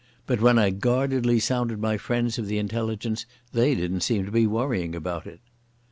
But when I guardedly sounded my friends of the Intelligence they didn't seem to be worrying about it.